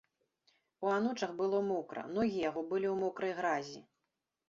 У анучах было мокра, ногі яго былі ў мокрай гразі.